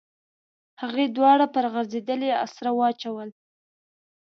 هغې دواړه پر غځېدلې اسره واچول.